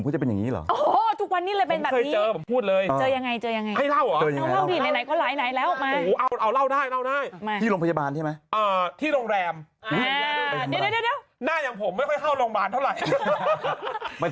จังหวัดไหนเนี่ย